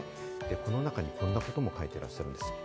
その中にこんなことも書いていらっしゃるんです。